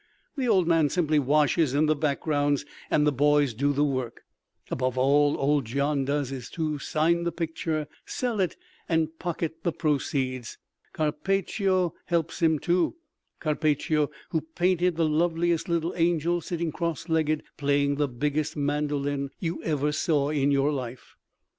The old man simply washes in the backgrounds and the boys do the work. About all old Gian does is to sign the picture, sell it and pocket the proceeds. Carpaccio helps him, too—Carpaccio who painted the loveliest little angel sitting cross legged playing the biggest mandolin you ever saw in your life.